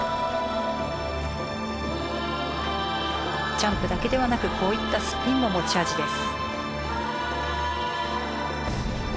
ジャンプだけではなくこういったスピンも持ち味です。